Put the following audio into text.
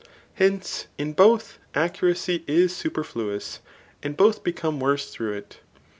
Hence, in both accuracy is super fluous, and both become worse through it.